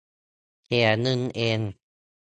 เสียเงินเอง